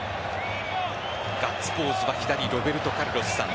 ガッツポーズは左ロベルト・カルロスさん